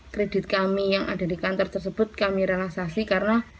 kredit kami yang ada di kantor tersebut kami relaksasi karena